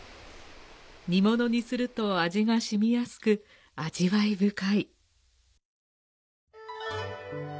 煮物にすると味が染みやすく味わい深い。